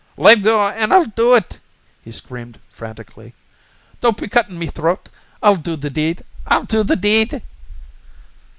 "Lave go, an' I'll do ut!" he screamed frantically. "Don't be cuttin' me throat! I'll do the deed! I'll do the deed!"